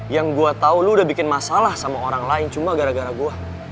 yang gue tau lu udah bikin masalah sama orang lain cuma gara gara gue